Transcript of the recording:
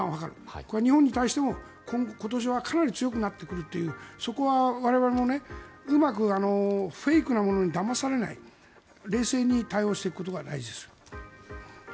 これは日本に対しても今年はかなり強くなってくるというそこは我々もうまくフェイクなものにだまされない冷静に対応していくことが大事です。